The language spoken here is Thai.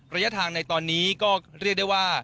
ระยะทางในตอนนี้ก็เรียกได้ว่า